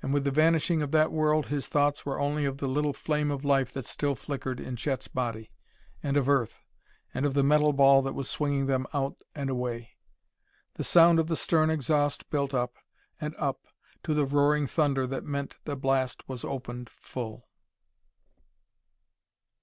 And, with the vanishing of that world his thoughts were only of the little flame of life that still flickered in Chet's body, and of the Earth, and of the metal ball that was swinging them out and away.... The sound of the stern exhaust built up and up to the roaring thunder that meant the blast was opened full....